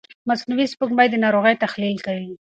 مصنوعي سپوږمکۍ د ناروغۍ تحلیل کوي.